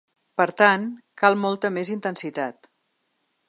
Per tant, cal molta més intensitat.